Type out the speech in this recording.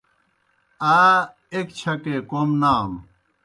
آ ایْک چَھکے کوْم نانوْ۔